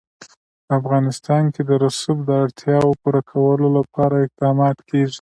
په افغانستان کې د رسوب د اړتیاوو پوره کولو لپاره اقدامات کېږي.